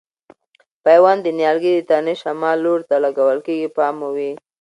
پیوند د نیالګي د تنې شمال لوري ته لګول کېږي پام مو وي.